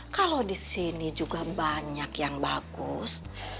kalau di sini juga banyak yang bagus